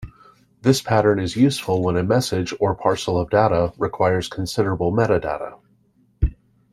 This pattern is useful when a message, or parcel of data, requires considerable metadata.